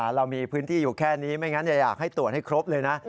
เรามีพื้นที่อยู่แค่นี้ไม่งั้นอยากให้ตรวจให้ครบเลยนะ